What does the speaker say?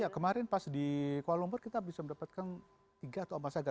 kemarin pas di kuala lumpur kita bisa mendapatkan tiga atau emas saja